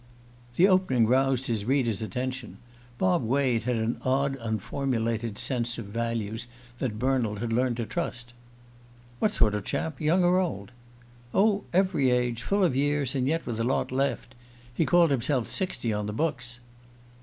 The opening roused his hearer's attention. Bob Wade had an odd unformulated sense of values that Bernald had learned to trust. "What sort of chap? Young or old?" "Oh, every age full of years, and yet with a lot left. He called himself sixty on the books."